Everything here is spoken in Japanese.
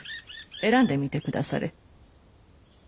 選んでみてくだされ。